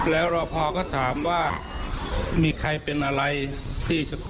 แล้วรพก็ถามว่ามีใครเป็นอะไรที่จะกลับมา